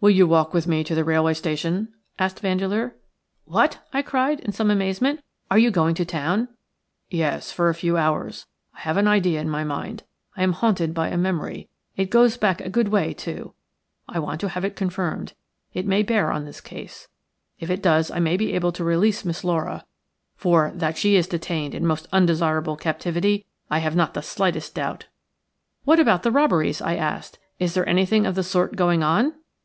"Will you walk with me to the railway station?" asked Vandeleur. "What!" I cried, in some amazement, "are you going to town?" "Yes, for a few hours. I have got an idea in my mind. I am haunted by a memory; it goes back a good way, too. I want to have it confirmed; it may bear on this case. If it does I may be able to release Miss Laura, for that she is detained in most undesirable captivity I have not the slightest doubt." "What about the robberies?" I asked. "Is there anything of the sort going on?"